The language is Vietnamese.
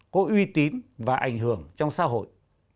có uy tín và ảnh hưởng trong xã hội